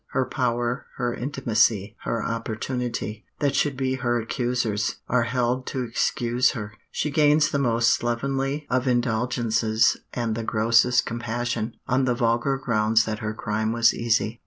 Her power, her intimacy, her opportunity, that should be her accusers, are held to excuse her. She gains the most slovenly of indulgences and the grossest compassion, on the vulgar grounds that her crime was easy.